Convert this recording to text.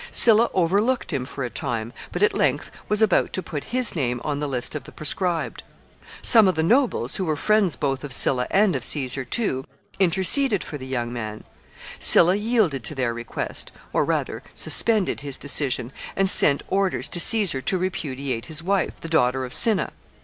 Sylla overlooked him for a time, but at length was about to put his name on the list of the proscribed. Some of the nobles, who were friends both of Sylla and of Caesar too, interceded for the young man; Sylla yielded to their request, or, rather, suspended his decision, and sent orders to Caesar to repudiate his wife, the daughter of Cinna.